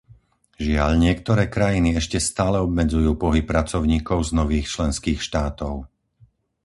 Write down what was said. Žiaľ, niektoré krajiny ešte stále obmedzujú pohyb pracovníkov z nových členských štátov.